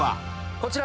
こちら